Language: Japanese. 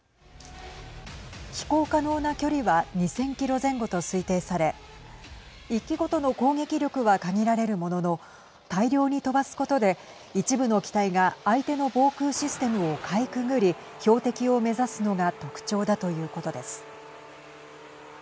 飛行可能な距離は２０００キロ前後と推定され１機ごとの攻撃力は限られるものの大量に飛ばすことで一部の機体が相手の防空システムをかいくぐり標的を目指すのが特徴だということです。